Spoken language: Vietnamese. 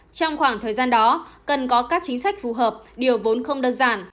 trong khoảng thời gian đó cần có các chính sách phù hợp điều vốn không đơn giản